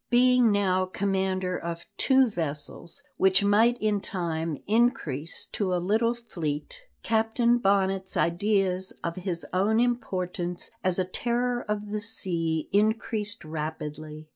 Being now commander of two vessels, which might in time increase to a little fleet, Captain Bonnet's ideas of his own importance as a terror of the sea increased rapidly.